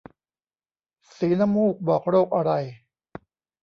สีน้ำมูกบอกโรคอะไร